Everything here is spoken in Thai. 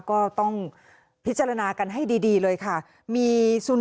ก็ต้องพิจารณากันให้ดีเลยค่ะ